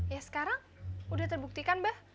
ya sekarang udah terbuktikan mbah